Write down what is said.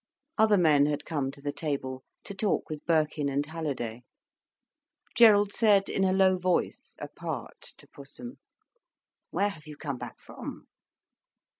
Other men had come to the table, to talk with Birkin and Halliday. Gerald said in a low voice, apart, to Pussum: "Where have you come back from?"